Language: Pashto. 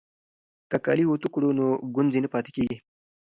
که کالي اوتو کړو نو ګونځې نه پاتې کیږي.